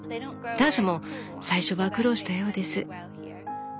ターシャも最初は苦労したようです。